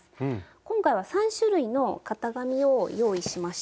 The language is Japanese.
今回は３種類の型紙を用意しました。